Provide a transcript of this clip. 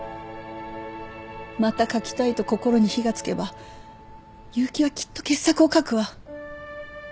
また書きたいと心に火が付けば結城はきっと傑作を書くわ。